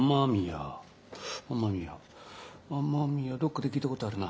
どっかで聞いたことあるな。